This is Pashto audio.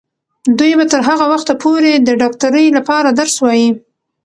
دوی به تر هغه وخته پورې د ډاکټرۍ لپاره درس وايي.